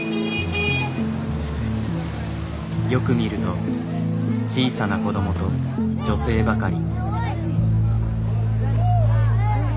よく見ると小さな子どもと女性ばかり。